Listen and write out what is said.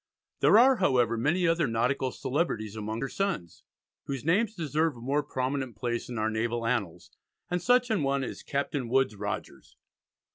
There are, however, many other nautical celebrities among her sons, whose names deserve a more prominent place in our naval annals, and such an one is Captain Woodes Rogers.